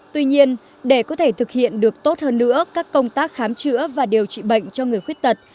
tuy nhiên để có thể thực hiện được tốt hơn nữa các công tác khám chữa và điều trị bệnh cho người khuyết tật